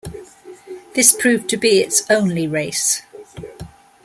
This proved to be its only race.